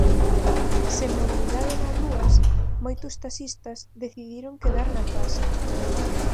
Sen mobilidade nas rúas, moitos taxistas decidiron quedar na casa.